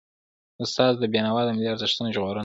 استاد بينوا د ملي ارزښتونو ژغورنه وکړه.